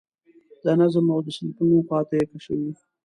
د نظم او ډسپلین خواته یې کشوي.